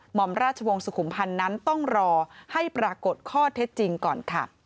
หมอมราชวงศ์สุขุมพันธ์นั้นต้องรอให้ปรากฏข้อเท็จจริงก่อนค่ะ